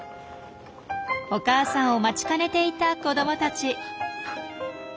お母さんを待ちかねていた子どもたち。